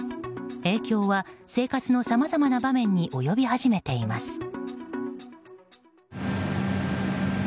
影響は生活のさまざまな場面に及び始めています。